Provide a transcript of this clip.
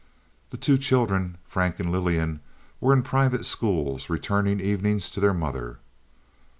The two children, Frank and Lillian, were in private schools, returning evenings to their mother.